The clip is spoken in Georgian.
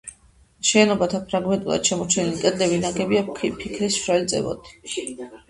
შენობათა ფრაგმენტულად შემორჩენილი კედლები ნაგებია ფიქლის მშრალი წყობით.